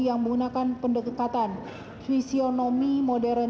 yang menggunakan pendekatan fisionomi modern